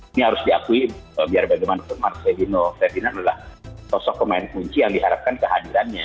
ini harus diakui biar bagaimanapun marcelino ferdinand adalah sosok pemain kunci yang diharapkan kehadirannya